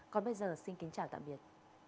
còn bây giờ xin kính chào tạm biệt